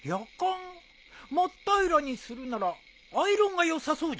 真っ平らにするならアイロンがよさそうじゃが。